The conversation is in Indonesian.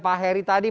pak heri tadi